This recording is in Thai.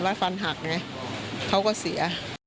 ตลอดทั้งคืนตลอดทั้งคืน